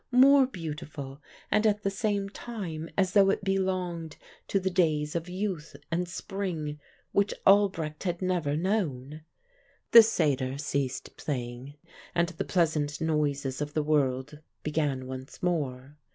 More beautiful, and at the same time as though it belonged to the days of youth and spring which Albrecht had never known. The satyr ceased playing and the pleasant noises of the world began once more.